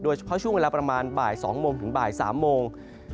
ช่วงเวลาประมาณบ่าย๒โมงถึงบ่าย๓โมง